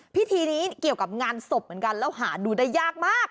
พิธีนี้เกี่ยวกับงานศพเหมือนกันแล้วหาดูได้ยากมาก